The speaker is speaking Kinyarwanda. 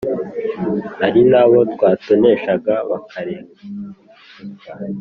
hari n’abo bwatoneshaga bakarenguka.